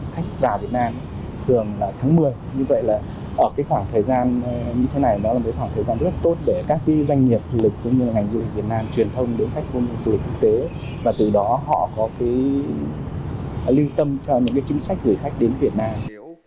khách vào việt nam thường là tháng một mươi như vậy là ở cái khoảng thời gian như thế này nó là một khoảng thời gian rất tốt để các doanh nghiệp du lịch cũng như là ngành du lịch việt nam truyền thông đến khách du lịch quốc tế và từ đó họ có cái lưu tâm cho những chính sách gửi khách đến việt nam